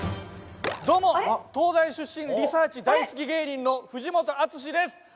どうも東大出身でリサーチ大好き芸人の藤本淳史です